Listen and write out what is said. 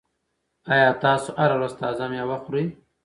آیا تاسو هره ورځ تازه مېوه خورئ؟